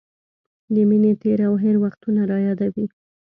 د مینې تېر او هېر وختونه رايادوي.